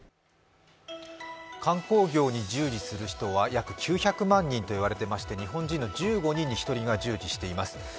観光業に従事する人は約９００万人と言われていまして日本人の１５人に１人が従事しています。